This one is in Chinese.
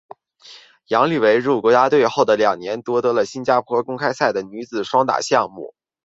杨维于入国家队后的两年夺得了新加坡公开赛的女子双打项目与苏迪曼杯的冠军。